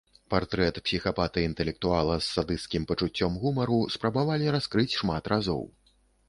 Партрэт псіхапата-інтэлектуала з садысцкім пачуццём гумару спрабавалі раскрыць шмат разоў.